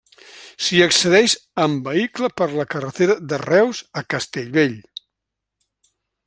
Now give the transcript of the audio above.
S'hi accedeix amb vehicle per la carretera de Reus a Castellvell.